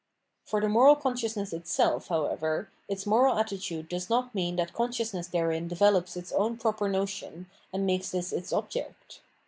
For the moral consciousne^ itself, however, its moral attitude does not mean that consciousness therein de velops its own proper notion and makes this its object.